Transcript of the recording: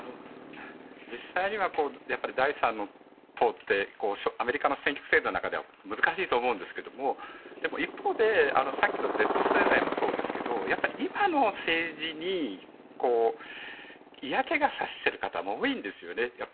実際には第３の党ってアメリカの選挙制度の中では難しいと思うんですけれどもでも一方でさっきのＺ世代もそうですけど今の政治に嫌気がさしている方も多いんですよね。